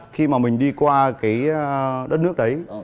khi mà mình đi qua cái đất nước đấy